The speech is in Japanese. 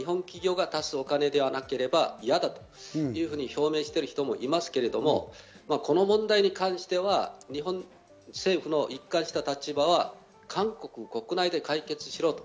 すでに一部の原告の側は絶対、日本企業が出すお金でなければ嫌だというふうに表明している人もいますけれども、この問題に関しては、日本政府の一貫した立場は韓国国内で解決しろと。